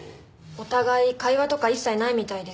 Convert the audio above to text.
お互い会話とか一切ないみたいです。